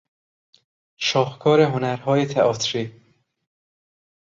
شاهکار هنرهای تئاتری